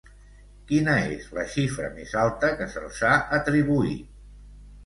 Quina és la xifra més alta que se'ls ha atribuït?